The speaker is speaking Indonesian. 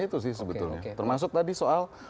itu sih sebetulnya termasuk tadi soal